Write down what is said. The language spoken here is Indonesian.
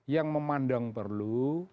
yang memandang perlu